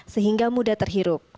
partikel kecil yang berukuran tiga puluh